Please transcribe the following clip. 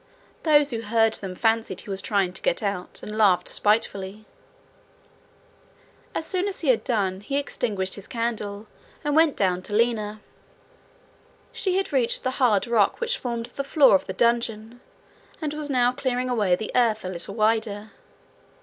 Those who heard them fancied he was trying to get out, and laughed spitefully. As soon as he had done, he extinguished his candle, and went down to Lina. She had reached the hard rock which formed the floor of the dungeon, and was now clearing away the earth a little wider.